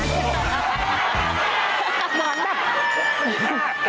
กลับบ้านแบบ